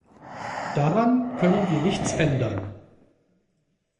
Daran können wir nichts ändern.